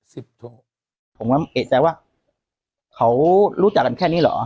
สิบโทผมมึงเอ่ยใจว่าเขารู้จักกันแค่นี้หรอ